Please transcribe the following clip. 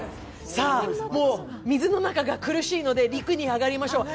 さあ、水の中が苦しいので陸に上がりましょう。